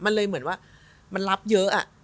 มันเลยเหมือนว่ามันรับเยอะ